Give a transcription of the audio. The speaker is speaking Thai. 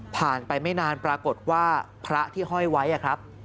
ไปไม่นานปรากฏว่าพระที่ห้อยไว้ครับ